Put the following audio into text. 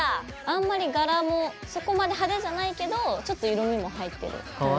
あんまりがらもそこまで派手じゃないけどちょっと色みも入ってる感じの。